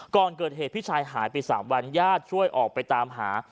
ก่อนเกิดเหตุพี่ชายหายไป๓วันญาติช่วยออกไปตามหา